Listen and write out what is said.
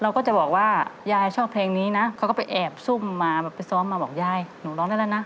เราก็จะบอกว่ายายชอบเพลงนี้นะเขาก็ไปแอบซุ่มมาแบบไปซ้อมมาบอกยายหนูร้องได้แล้วนะ